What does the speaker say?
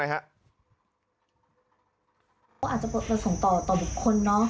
อาจจะประสงค์ต่อบุคคล